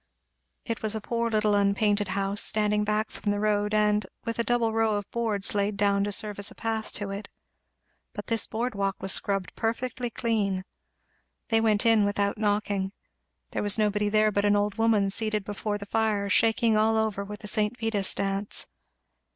It was a poor little unpainted house, standing back from the road, and with a double row of boards laid down to serve as a path to it. But this board walk was scrubbed perfectly clean. They went in without knocking. There was nobody there but an old woman seated before the fire shaking all over with the St. Vitus's Dance.